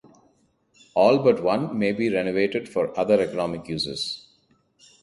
All but one may be renovated for other economic uses.